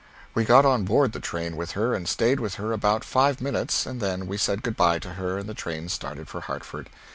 We got on board the train with her and stayed with her about five minutes and then we said good bye to her and the train started for Hartford.